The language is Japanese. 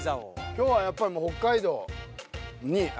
今日はやっぱり北海道に。